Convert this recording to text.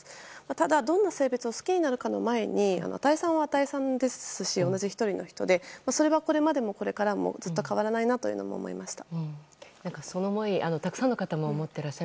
ただどんな性別を好きになるかの前に與さんは與さんですしそれがこれまでもこれからもずっと変わらないなと思いました。